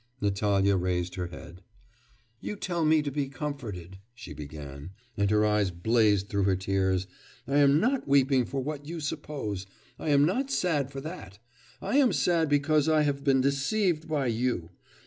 Natalya raised her head. 'You tell me to be comforted,' she began, and her eyes blazed through her tears; 'I am not weeping for what you suppose I am not sad for that; I am sad because I have been deceived in you....